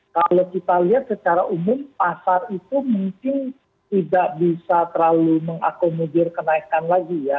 kalau kita lihat secara umum pasar itu mungkin tidak bisa terlalu mengakomodir kenaikan lagi ya